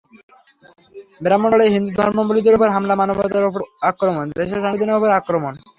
ব্রাহ্মণবাড়িয়ায় হিন্দু ধর্মাবলম্বীদের ওপর হামলা মানবতার ওপর আক্রমণ, দেশের সংবিধানের ওপর আক্রমণ।